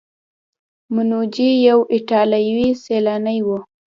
منوچي یو ایټالیایی سیلانی و.